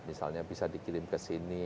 misalnya bisa dikirim ke sini